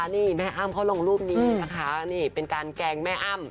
นี่แม่อ้ำเขาลงรูปนี้นะคะนี่เป็นการแกล้งแม่อ้ำ